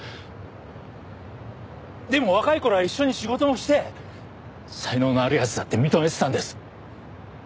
でも若い頃は一緒に仕事もして才能のある奴だって認めてたんです。